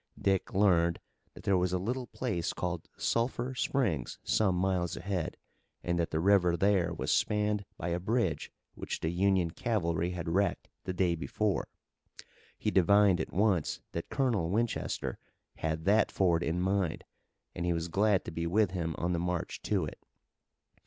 Dick learned that there was a little place called Sulphur Springs some miles ahead, and that the river there was spanned by a bridge which the Union cavalry had wrecked the day before. He divined at once that Colonel Winchester had that ford in mind, and he was glad to be with him on the march to it.